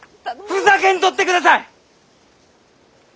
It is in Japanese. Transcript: ふざけんとってください！